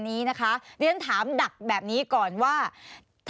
สนุนโดยน้ำดื่มสิง